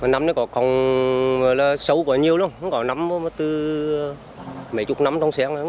năm này còn sâu quá nhiều luôn có nắm mấy chút nắm trong sen